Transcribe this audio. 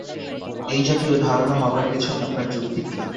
এই জাতীয় ধারণা হবার পেছনে আপনার যুক্তি কী?